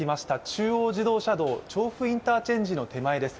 中央自動車道調布インターチェンジの手前です。